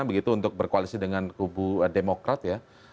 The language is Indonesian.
begitu untuk berkoalisi dengan kubu demokrat ya